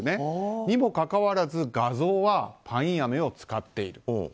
にもかかわらず画像はパインアメを使っている。